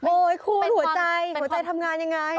โอ๊ยคุณหัวใจหัวใจทำงานอย่างไร